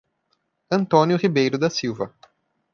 Antônio Ribeiro da Silva